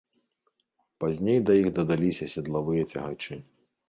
Пазней да іх дадаліся седлавыя цягачы.